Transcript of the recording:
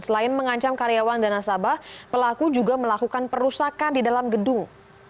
selain mengancam karyawan dan nasabah pelaku juga melakukan perusakan di dalam gedung